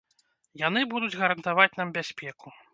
Яны будуць гарантаваць нам бяспеку.